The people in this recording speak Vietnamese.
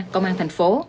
công an tp hcm